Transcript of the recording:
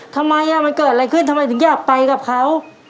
ทำไมมันเกิดอะไรขึ้นทำไมถึงอยากไปกับเขา